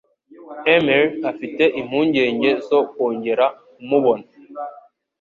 Emily afite impungenge zo kongera kumubona.